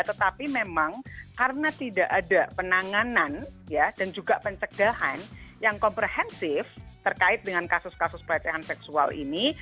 tetapi memang karena tidak ada penanganan dan juga pencegahan yang komprehensif terkait dengan kasus kasus pelecehan seksual ini